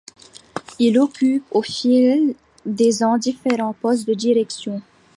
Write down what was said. Il occupe au fil des ans différents postes de direction.